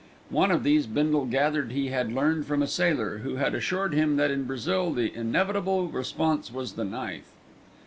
One of these Bindle gathered he had learned from a sailor, who had assured him that in Brazil the inevitable response was the knife.